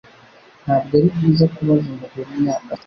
Ntabwo ari byiza kubaza umugore imyaka afite.